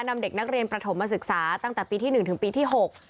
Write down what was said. นำเด็กนักเรียนประถมมาศึกษาตั้งแต่ปีที่หนึ่งถึงปีที่๖